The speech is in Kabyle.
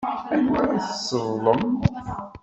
Anwa ara tesseḍlem?